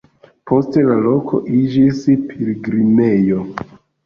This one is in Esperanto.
Poste la loko iĝis pilgrimejo.